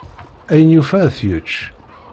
Ayen yufa ad t-yečč.